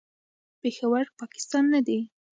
پېښور، پاکستان نه دی.